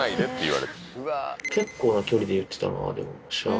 結構な距離でいってたなでもシャを。